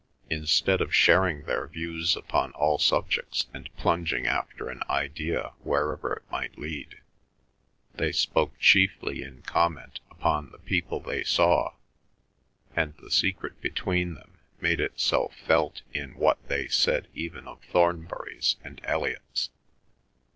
Instead of sharing their views upon all subjects, and plunging after an idea wherever it might lead, they spoke chiefly in comment upon the people they saw, and the secret between them made itself felt in what they said even of Thornburys and Elliots.